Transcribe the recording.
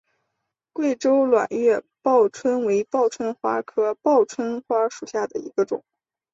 贵州卵叶报春为报春花科报春花属下的一个种。